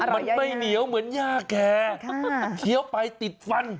มันไม่เหนียวเหมือนย่าแก่เคี้ยวไปติดฟัน